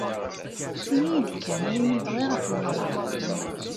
Ini-iyi-d kan ayen i bɣiɣ ad t-ẓreɣ.